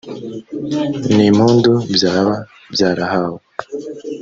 n impundu byaba byarahawe